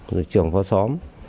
rồi trường phó xóm